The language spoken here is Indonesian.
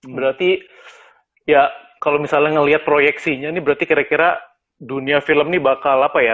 berarti ya kalau misalnya ngelihat proyeksinya ini berarti kira kira dunia film ini bakal apa ya